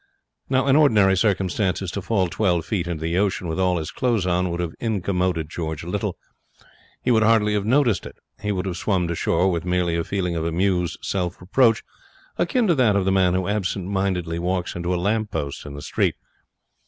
Now, in ordinary circumstances, to fall twelve feet into the ocean with all his clothes on would have incommoded George little. He would hardly have noticed it. He would have swum to shore with merely a feeling of amused self reproach akin to that of the man who absent mindedly walks into a lamp post in the street.